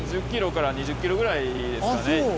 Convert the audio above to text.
１０キロから２０キロぐらいですかね。